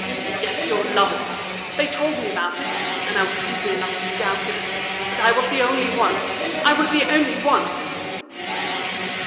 "Yes, your lovers! They told me about it, and I was stupid enough to doubt it. But I was the only one! I was the only one!"